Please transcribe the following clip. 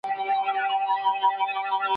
هغه پوهه چي انسان ته ګټه ونه رسوي بې ارزښته ده.